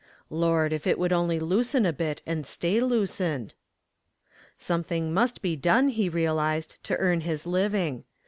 "Lord, if it would only loosen a bit and stay loosened." Something must be done, he realized, to earn his living.